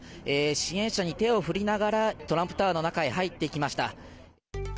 支援者に手を振りながら、トランプタワーの中へ入っていきました。